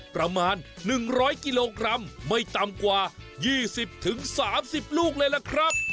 ประมาณ๑๐๐กิโลกรัมไม่ต่ำกว่า๒๐๓๐ลูกเลยล่ะครับ